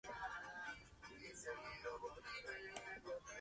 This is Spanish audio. En los jóvenes el pico es de tonos amarillos.